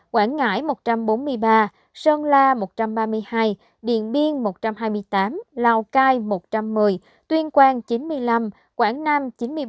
quảng ngãi một trăm bốn mươi ba sơn la một trăm ba mươi hai điện biên một trăm hai mươi tám lào cai một trăm một mươi tuyên quang chín mươi năm quảng nam chín mươi bốn